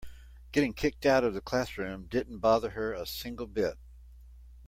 Getting kicked out of the classroom didn't bother her a single bit.